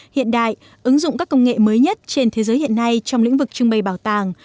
hiện đại ứng dụng các công nghệ mới nhất trên thế giới hiện nay trong lĩnh vực trưng bày bảo tàng